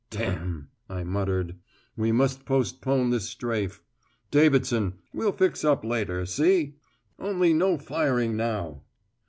"D ," I muttered. "We must postpone this strafe. Davidson, we'll fix up later, see? Only no firing now."